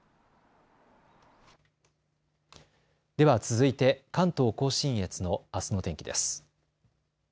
では続いて関東甲信越のあすの天気です。